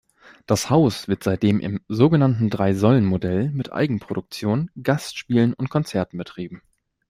Das Haus wird seitdem im sogenannten „Drei-Säulen-Modell“ mit Eigenproduktionen, Gastspielen und Konzerten betrieben.